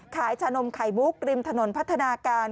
ขายชานมไข่บุ๊คริมถนนพัฒนาการ